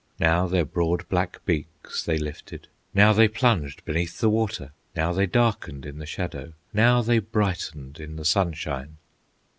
Now their broad black beaks they lifted, Now they plunged beneath the water, Now they darkened in the shadow, Now they brightened in the sunshine.